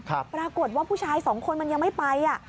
ปรากฏว่าผู้ชายสองคนมันยังไม่ไปอ่ะ